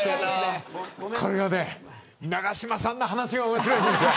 これがね、長嶋さんの話が面白いんですよ。